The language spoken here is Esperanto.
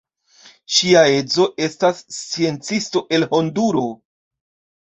Ŝia edzo estas sciencisto el Honduro.